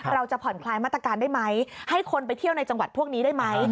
เราจะผ่อนคลายมาตรการได้ไหมให้คนไปเที่ยวในจังหวัดพวกนี้ได้ไหม